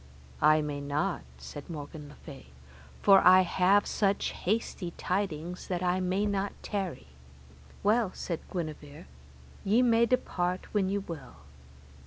I may not, said Morgan le Fay, for I have such hasty tidings, that I may not tarry. Well, said Guenever, ye may depart when ye will.